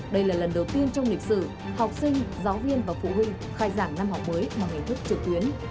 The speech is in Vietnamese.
đây là lần đầu tiên trong lịch sử học sinh giáo viên và phụ huynh khai giảng năm học mới bằng hình thức trực tuyến